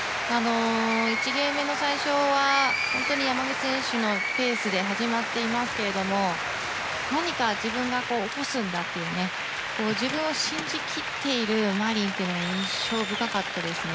１ゲーム目の最初は本当に山口選手のペースで始まっていますけれども何か自分が起こすんだという自分を信じ切っているマリン選手というのが印象深かったですね。